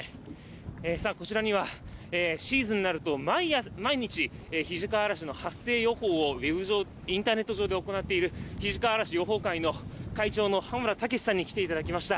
さあ、こちらにはシーズンになると毎日、肱川あらしの発生予報をインターネット上で行っている肱川あらし予報会の会長の濱田毅さんに来ていただきました。